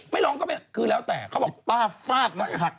ไม่ร้องก็ไม่ร้อง